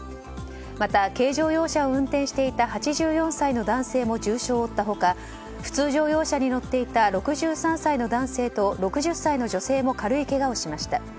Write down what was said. また、軽乗用車を運転していた８４歳の男性も重傷を負った他普通乗用車に乗っていた６３歳の男性と６０歳の女性も軽いけがをしました。